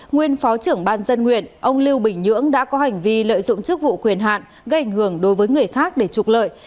nguyên phó trưởng ban dân nguyện ông lưu bình nhưỡng đã có hành vi lợi dụng chức vụ quyền hạn gây ảnh hưởng đối với người khác để trục lợi